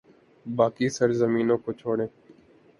باقی سرزمینوں کو چھوڑیں۔